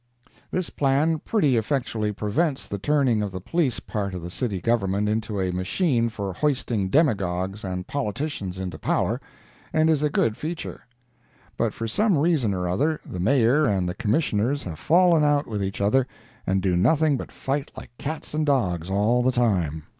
This plan pretty effectually prevents the turning of the police part of the City Government into a machine for hoisting demagogues and politicians into power, and is a good feature. But for some reason or other the Mayor and the Commissioners have fallen out with each other and do nothing but fight like cats and dogs all the time.